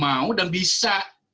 mau dan bisa